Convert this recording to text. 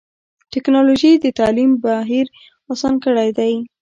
ټکنالوجي د تعلیم بهیر اسان کړی دی.